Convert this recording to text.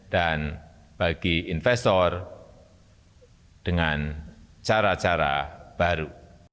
dan bagi investor dengan cara cara baru